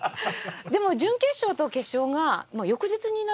でも準決勝と決勝が翌日になるわけですよね。